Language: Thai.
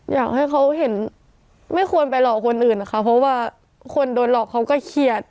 อยากให้เขาเห็นไม่ควรไปหลอกคนอื่นนะคะเพราะว่าคนโดนหลอกเขาก็เครียด